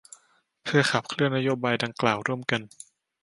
เพื่อขับเคลื่อนนโยบายดังกล่าวร่วมกัน